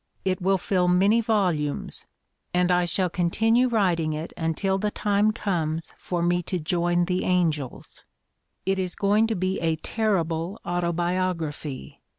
It will fill many volumes, and I shall con tinue writing it until the time comes for me to join the angels. It is going to be a terrible autobiography.